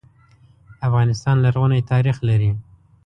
افغانستان لرغونی ناریخ لري.